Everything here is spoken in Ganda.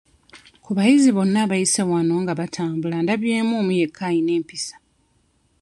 Ku bayizi bonna abayise wano nga batambula ndabyemu omu yekka ayina empisa.